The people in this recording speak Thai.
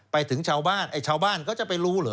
ไปถึงเช้าบ้านเอย่ะเช้าบ้านจะไปหรูเหรอ